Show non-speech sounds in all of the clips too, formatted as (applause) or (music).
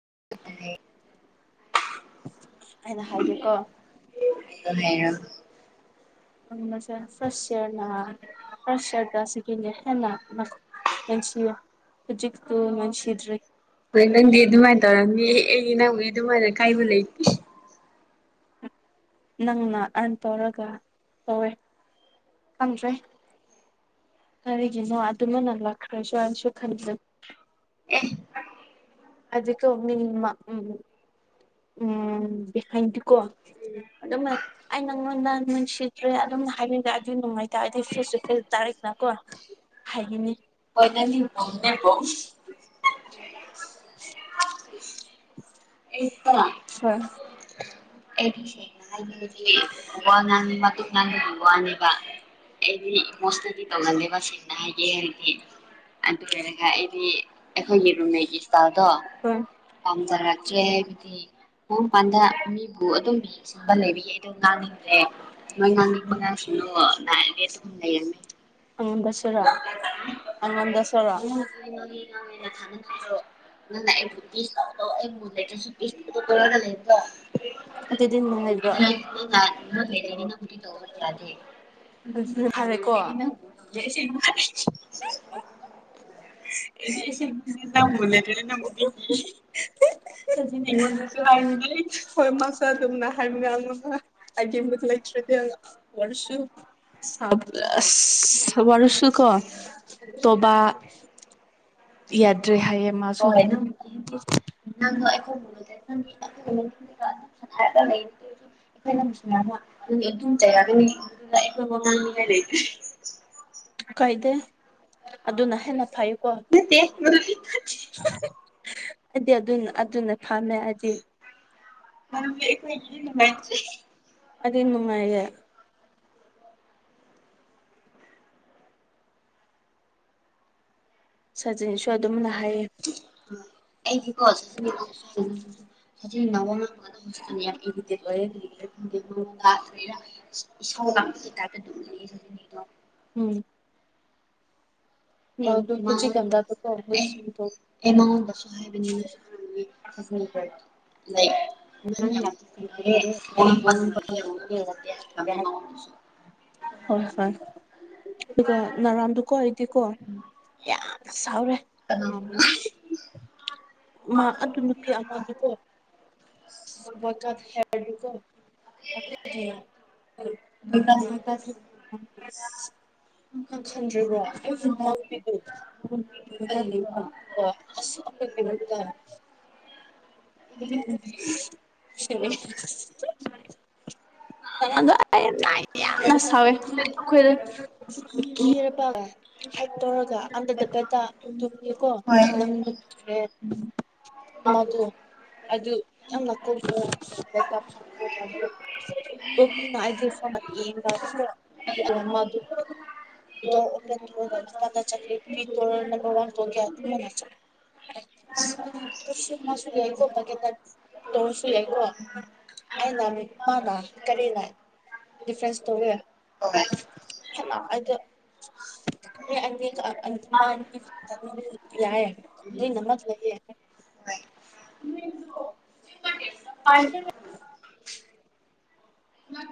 (unintelligible) ꯑꯩꯅ ꯍꯥꯏꯒꯦꯀꯣ (unintelligible) (unintelligible) (unintelligible) ꯏ ꯑꯗꯨ ꯃꯥ ꯀꯥꯏꯕꯨ ꯂꯩ ꯅꯪꯅ ꯑꯥꯔꯟ ꯇꯧꯔꯒ ꯇꯧꯋꯦ ꯐꯪꯗ꯭ꯔꯦ ꯀꯔꯤꯒꯤꯅꯣ ꯑꯗꯨꯃꯅ ꯂꯥꯛꯈ꯭ꯔꯁꯨ ꯍꯥꯏꯅꯁꯨ ꯈꯟꯕ ꯑꯦ ꯑꯗꯨꯀꯣ ꯃꯤ ꯎ ꯎꯝ ꯍꯗꯤꯀꯣ ꯑꯗꯨꯝ ꯑꯩ ꯅꯪꯉꯣꯟꯗ ꯅꯨꯡꯁꯤꯗ꯭ꯔꯦ ꯑꯗꯨꯝ ꯍꯥꯏꯕꯤꯕꯦ ꯑꯗꯨ ꯅꯨꯡꯉꯥꯏꯇꯔꯦ ꯑꯗꯨꯗꯤ ꯐꯦꯁ ꯇꯨ ꯐꯦꯁ ꯇꯥꯔꯛꯗꯅꯀꯣ ꯍꯥꯏꯈꯤꯅꯤ ꯍꯣꯏꯗꯅꯤ ꯅꯝꯅꯦꯕꯣ (unintelligible) ꯑꯩꯗꯤ ꯍꯥꯏ ꯋꯥ ꯃꯇꯀꯨꯞ ꯉꯥꯡꯕꯗꯤ ꯋꯥꯅꯦꯕ ꯑꯩꯗꯤ ꯏꯣꯁꯇꯗꯤ ꯇꯧꯅꯤꯦꯕ ꯁꯅꯦ ꯍꯥꯏꯗꯤ ꯑꯗꯨ ꯑꯣꯏꯔꯒ ꯑꯩꯗꯤ ꯑꯩꯈꯣꯏꯒꯤ ꯔꯨꯝꯃꯦꯒꯤ ꯁ꯭ꯇꯥꯏꯜꯗꯣ ꯍꯣꯏ ꯄꯥꯝꯖꯔꯛꯇ꯭ꯔꯦ ꯍꯥꯏꯕꯗꯤ ꯃꯡ ꯄꯥꯟꯗ ꯑꯗꯨ ꯑꯗꯨꯝ ꯌꯦꯡ ꯁꯟꯕ ꯂꯩꯕꯒꯤ ꯑꯩ ꯑꯗꯨꯝ ꯉꯥꯡꯅꯤꯡꯗ꯭ꯔꯦ ꯃꯣꯏ ꯉꯥꯡꯅꯤꯡꯕ ꯉꯁꯤꯅꯨ ꯎꯝ ꯂꯩꯌꯦꯃꯦ ꯍꯪꯕꯁꯤꯔꯣ (inaudible) ꯑꯗꯨꯗꯤ ꯅꯨꯡꯉꯥꯏꯕ꯭ꯔꯣ ꯃꯨꯠ ꯂꯩꯇ꯭ꯔꯗꯤ ꯅꯪꯕꯨꯗꯤ ꯇꯧꯕ ꯌꯥꯗꯦ ꯑꯗꯨꯗꯤ ꯐꯔꯦꯀꯣ ꯌꯦ ꯁꯤꯟ ꯃꯥ ꯅ ꯃꯅꯨꯡ ꯑꯗꯨ ꯅꯜꯂꯤ ꯁꯤꯗꯨꯁꯨ ꯂꯁꯤ ꯍꯣꯏ ꯃꯥꯁꯨ ꯑꯗꯨꯝꯅ ꯍꯥꯏꯕꯅꯦ ꯑꯥꯏꯇꯦꯝꯗꯨꯁꯨ ꯂꯩꯇ꯭ꯔꯦꯗꯤ ꯋꯥꯔꯁꯨ ꯑꯁ ꯋꯥꯔꯁꯨ ꯀꯣ ꯇꯣꯕꯥ ꯌꯥꯗ꯭ꯔꯦ ꯍꯥꯏꯌꯦ ꯃꯥꯁꯨ ꯍꯣꯏ ꯅꯪ ꯍꯥꯏꯗꯤ ꯅꯪ ꯑꯩꯈꯣꯏꯔꯒ ꯂꯩ ꯑꯩꯈꯣꯏꯅ ꯑꯗꯨꯅꯤ ꯑꯩꯈꯣꯏ ꯋꯥ ꯉꯥꯡꯉꯥꯏ ꯂꯩ ꯀꯥꯏꯗꯦ ꯑꯗꯨꯅ ꯍꯦꯟꯅ ꯐꯩꯀꯣ ꯃꯗꯨ ꯊꯤꯀ ꯍꯥꯏꯗꯤ ꯑꯗꯨ ꯑꯗꯨꯅ ꯐꯝꯃꯦ ꯍꯥꯏꯗꯤ ꯃꯔꯝꯗꯤ ꯑꯩꯈꯣꯏꯒꯤꯗꯤ ꯅꯨꯡꯉꯥꯏꯇ꯭ꯔꯤ ꯑꯗꯨ ꯅꯨꯡꯉꯥꯏꯌ ꯦ ꯁꯖꯤꯟꯁꯨ ꯑꯗꯨꯝ ꯂ ꯎꯝ (inaudible) ꯃꯥꯁꯨ ꯑꯩ ꯑꯩ ꯃꯉꯣꯟꯗꯁꯨ ꯍꯥꯏꯕꯅꯦ ꯅꯪꯁꯨ ꯈꯪꯉꯝꯅꯤ ꯂꯩ ꯅꯪ ꯌꯥꯝ ꯊꯤꯖꯤꯟꯅꯔꯦ ꯋꯥꯉꯥꯡꯕ ꯅꯨꯡꯉꯥꯏꯇꯦ ꯋꯥꯉꯥꯡ ꯐꯖꯗꯦ ꯍꯥꯏꯈ꯭ꯔꯕꯅꯦ ꯃꯉꯣꯟꯗꯁꯨ (inaudible) ꯍꯣꯏ ꯍꯣꯏ ꯑꯗꯨꯒ ꯅꯔꯥꯝꯗꯨꯀꯣ ꯑꯩꯗꯤꯀꯣ ꯌꯥꯝꯅ ꯁꯥꯎꯔꯦ ꯀꯅꯥꯕꯨꯅꯣ ꯍꯣꯏ ꯑꯗꯨ ꯅꯨꯄꯤ ꯑꯃꯗꯨꯀꫭ ꯋꯥꯀ ꯍꯦꯔꯀꯣ (inaudible) ꯑꯁ ꯅꯪ ꯈꯟꯗ꯭ꯔꯤꯕꯣ ꯑꯩꯕꯨꯎꯗ ꯑꯁꯣꯛ (inaudible) ꯑꯩꯅ ꯂꫭꯏꯅ ꯅꯥꯏ ꯌꯥꯝꯅ ꯁꯥꯎꯋꯦ ꯑꯩꯈꯣꯏꯗ ꯀꯤꯔꯕ ꯍꯥꯏ ꯇꯧꯔꯒ ꯑꯗꯗ ꯄꯦꯇꯥ ꯇꯨꯝꯉꯀꯣꯦ ꯃꯗꯣ ꯑꯗꯨ ꯌꯥꯝ ꯉꯥꯛꯀꯧꯗ (unintelligible) (unintelligible) (unintelligible) (unintelligible) ꯣ ꯊꯅ ꯆꯂꯦꯠ ꯄꯤ ꯇ ꯅ ꯋꯥ ꯀ ꯃꯥꯁꯨ ꯌꯥꯏꯀꯣ ꯍꯣꯏ ꯇꯧꯔꯁꯨ ꯌꯥꯏꯀꯣ ꯎꯝ ꯑ ꯂꯥꯛꯅꯤ ꯃꯥ ꯂꯥꯛꯑꯦ ꯀꯔꯤ ꯂꯥꯛꯑ ꯗꯤꯐ꯭ꯔꯦꯟꯁ ꯇꯧꯋꯦ ꯍꯣꯏ ꯌꯥ ꯑꯗꯨ ꯅꯃꯛ ꯂꯩ (unintelligible)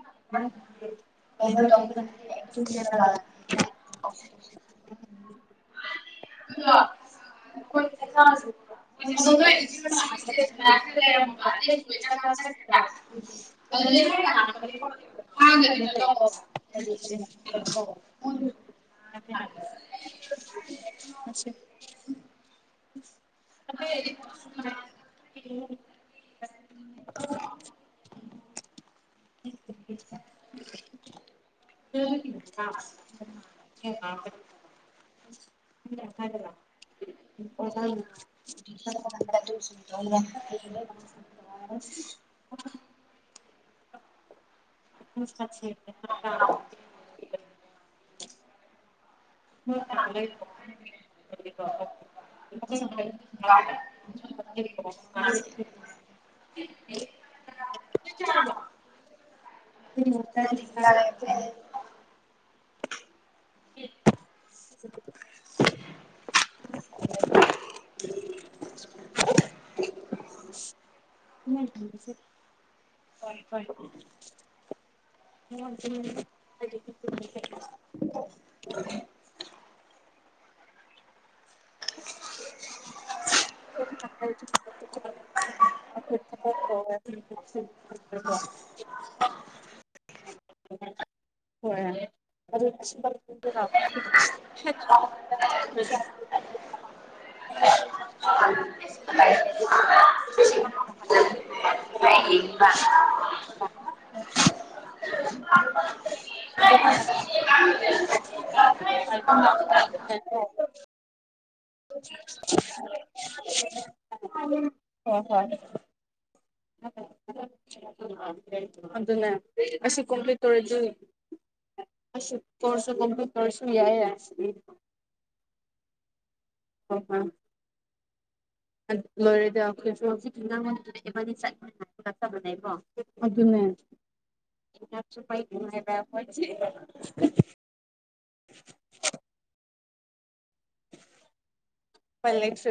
(unintelligible) (unintelligible) (inaudible) (unintelligible) (unintelligible) (inaudible) (unintelligible) (unintelligible) (unintelligible) (unintelligible) ꯎꯝ ꯍꯥꯏ ꯋꯥ ꯑꯣꯖ (unintelligible) (inaudible) (unintelligible) (unintelligible) (inaudible) (unintelligible) ꯎꯝ (inaudible) (inaudible) (unintelligible) (inaudible) (inaudible) (inaudible) ꯍꯣꯏ ꯑꯗꯨ ꯑꯗ ꯃꯥ (inaudible) ꯍꯣꯏ ꯍꯣꯏ ꯑꯗꯨꯅꯦ ꯑꯁꯨ ꯀꯣꯝꯄ꯭ꯂꯤꯠ ꯇꯧꯔꯁꯨ ꯀꯣꯔꯁ ꯀꯝꯄ꯭ꯂꯤꯠ ꯇꯧꯔꯁꯨ ꯌꯥꯏꯌꯦ (unintelligible) ꯂꯣꯏꯔꯦꯗ ꯑꯩꯈꯣꯏꯁꯨ ꯍꯧꯖꯤꯛꯥꯡꯅꯤꯆꯕꯅꯦꯀꯣ ꯑꯗꯨꯅꯦ ꯍꯥꯛ ꯅꯨꯡꯉꯥꯏꯕ ꯐꯁ